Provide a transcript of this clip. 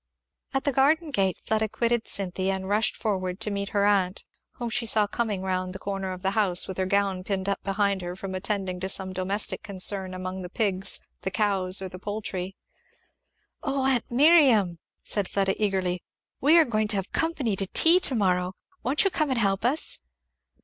At the garden gate Fleda quitted Cynthy and rushed forward to meet her aunt, whom she saw coming round the corner of the house with her gown pinned up behind her from attending to some domestic concern among the pigs, the cows, or the poultry. "O aunt Miriam," said Fleda eagerly, "we are going to have company to tea to morrow won't you come and help us?"